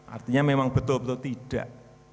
artinya memang betul betul tidak